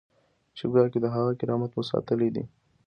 چې ګواکې د هغه کرامت مو ساتلی دی.